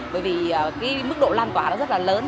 bởi vì cái mức độ lan tỏa nó rất là lớn